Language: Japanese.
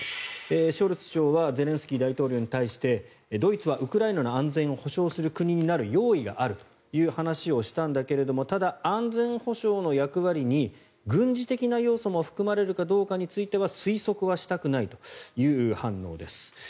ショルツ首相はゼレンスキー大統領に対してドイツはウクライナの安全を保証する国になる用意があるという話をしたんだけれどもただ、安全保障の役割に軍事的な要素も含まれるかどうかについては推測はしたくないという反応です。